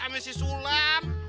amin si sulam